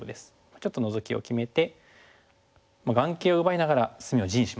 ちょっとノゾキを決めて眼形を奪いながら隅を地にします。